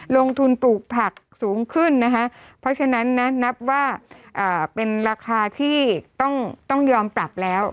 ลงทุนปลูกผักสูงขึ้นนะคะเพราะฉะนั้นนะนับว่าเป็นราคาที่ต้องยอมปรับแล้ว